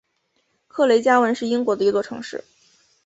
克雷加文是英国的一座城市。